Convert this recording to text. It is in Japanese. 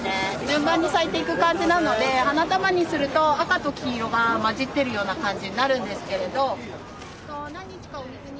順番に咲いていく感じなので花束にすると赤と黄色が混じってるような感じになるんですけれど何日かお水につけて。